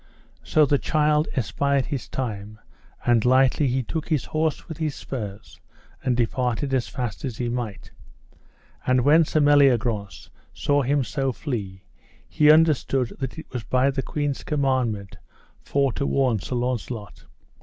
So the child espied his time, and lightly he took his horse with the spurs, and departed as fast as he might. And when Sir Meliagrance saw him so flee, he understood that it was by the queen's commandment for to warn Sir Launcelot.